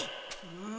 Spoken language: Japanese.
うん。